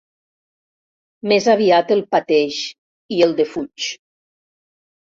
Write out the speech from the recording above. Més aviat el pateix i el defuig.